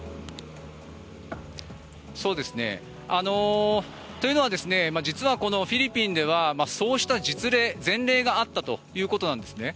そうですね。というのは実はこのフィリピンではそうした実例、前例があったということなんですね。